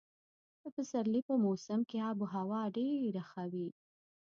د پسرلي په موسم کې اب هوا ډېره ښه وي.